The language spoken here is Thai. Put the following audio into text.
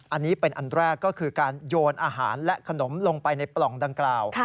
อันนี้เป็นอันแรกก็คือการโยนอาหารและขนมลงไปในปล่องดังกล่าว